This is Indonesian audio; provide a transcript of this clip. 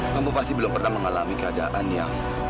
kamu pasti belum pernah mengalami keadaan yang